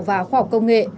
và khoa học công nghệ